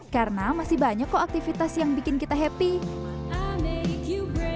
karena masih banyak kok aktivitas yang bikin kita happy